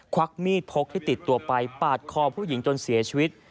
วักมีดพกที่ติดตัวไปปาดคอผู้หญิงจนเสียชีวิต